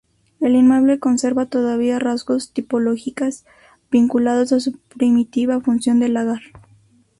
El inmueble conserva todavía rasgos tipológicas vinculados a su primitiva función de lagar.